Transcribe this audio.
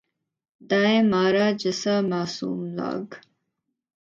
دائیں مارا جسا معصوم لاگ